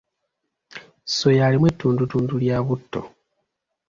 Soya alimu ettundutundu lya butto.